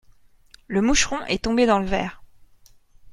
Le moucheron est tombé dans le verre.